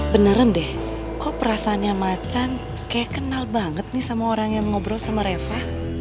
beneran deh kok perasaannya macan kayak kenal banget nih sama orang yang ngobrol sama reva